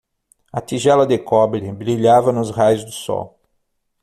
A tigela de cobre brilhava nos raios do sol.